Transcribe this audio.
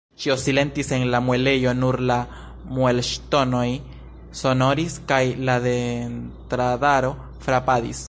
Ĉio silentis en la muelejo, nur la muelŝtonoj sonoris kaj la dentradaro frapadis.